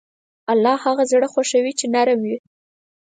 الله هغه زړه خوښوي چې نرم وي.